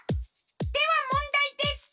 ではもんだいです！